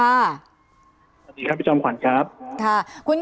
สวัสดีครับพี่จอมขวัญครับค่ะ